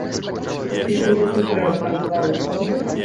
Ці ты ўжо сустрэла там беларусаў?